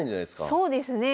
そうですね。